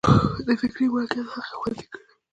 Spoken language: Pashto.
د فکري مالکیت حق یې خوندي کړي.